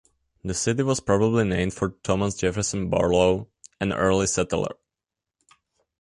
The city was probably named for Thomas Jefferson Barlow, an early settler.